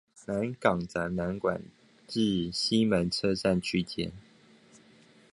南港展覽館至西門車站區間